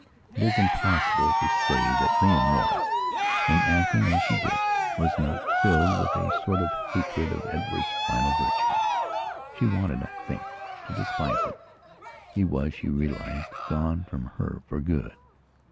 It is impossible to say that Leonora, in acting as she then did, was not filled with a sort of hatred of Edward's final virtue. She wanted, I think, to despise him. He was, she realized gone from her for good.